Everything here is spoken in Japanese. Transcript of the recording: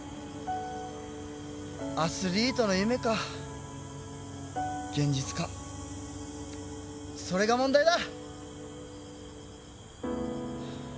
アスリートの夢か現実かそれが問題だ。